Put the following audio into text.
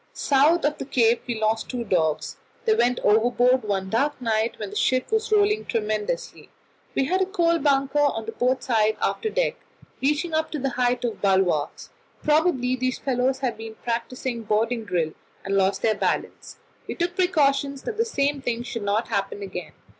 South of the Cape we lost two dogs; they went overboard one dark night when the ship was rolling tremendously. We had a coal bunker on the port side of the after deck, reaching up to the height of the bulwarks; probably these fellows had been practising boarding drill, and lost their balance. We took precautions that the same thing should not happen again.